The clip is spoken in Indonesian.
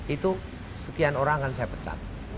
itu sekian orang akan saya pecat